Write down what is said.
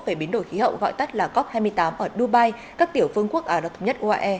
về biến đổi khí hậu gọi tắt là cop hai mươi tám ở dubai các tiểu phương quốc ả rập thống nhất uae